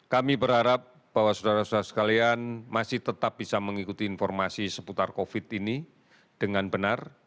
kami berharap bahwa saudara saudara sekalian masih tetap bisa mengikuti informasi seputar covid ini dengan benar